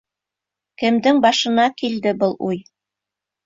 — Кемдең башына килде был уй?